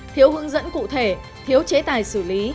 thiếu hướng dẫn cụ thể thiếu chế tài xử lý